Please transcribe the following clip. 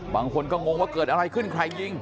บางคนก็งงว่าเกิดอะไรขึ้นใครยิง